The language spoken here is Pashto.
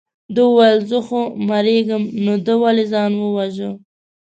ده وویل زه خو مرېږم نو ده ولې ځان وواژه.